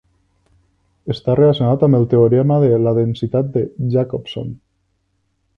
Està relacionat amb el teorema de la densitat de Jacobson.